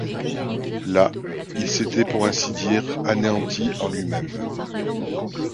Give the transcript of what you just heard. Là, il s'était pour ainsi dire anéanti en lui-même.